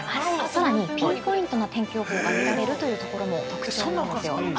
さらにピンポイントの天気予報が見られるというところも特徴なんですよ。